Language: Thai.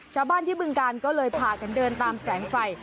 ชาวบ้านที่บึงการก็เลยพากันเดินตามแสงไฟ